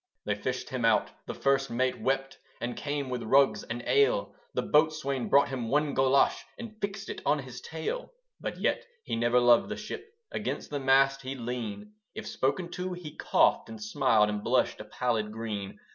They fished him out; the First Mate wept, And came with rugs and ale: The Boatswain brought him one golosh, And fixed it on his tail. But yet he never loved the ship; Against the mast he'd lean; If spoken to, he coughed and smiled, And blushed a pallid green.